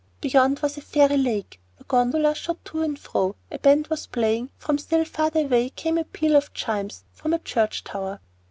Beyond was a fairy lake, where gondolas shot to and fro; a band was playing; from still farther away came a peal of chimes from a church tower.